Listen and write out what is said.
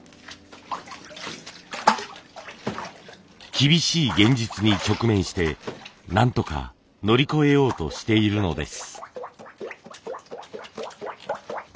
厳しい現実に直面してなんとか乗り越えようとしているのです。